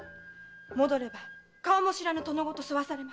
戻れば顔も知らぬ殿御と添わされます。